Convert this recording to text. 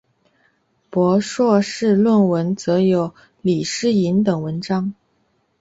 博硕士论文则有李诗莹等文章。